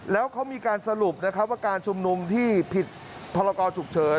แล้วเขามีการสรุปนะครับว่าการชุมนุมที่ผิดพรกรฉุกเฉิน